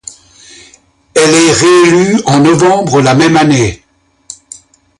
Elle est réélue en novembre la même année.